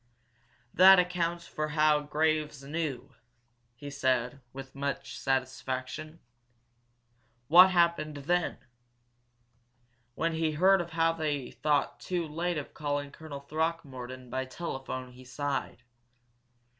"That accounts for how Graves knew," he said, with much satisfaction. "What happened then?" When he heard of how they had thought too late of calling Colonel Throckmorton by telephone he sighed.